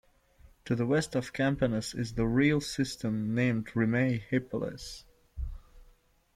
To the west of Campanus is the rille system named Rimae Hippalus.